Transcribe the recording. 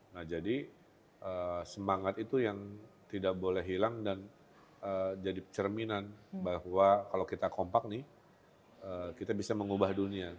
nah jadi semangat itu yang tidak boleh hilang dan jadi cerminan bahwa kalau kita kompak nih kita bisa mengubah dunia